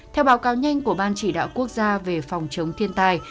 theo báo cáo nhanh của ban chỉ đạo quốc gia về phòng chống thiên tai